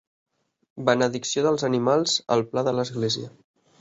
Benedicció dels animals al pla de l'Església.